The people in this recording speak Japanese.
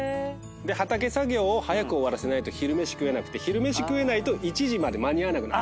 畑作業を早く終わらせないと昼飯食えなくて昼飯食えないと１時まで間に合わなくなる。